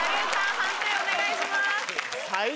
判定お願いします。